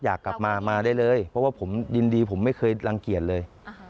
อยากกลับมามาได้เลยเพราะว่าผมยินดีผมไม่เคยรังเกียจเลย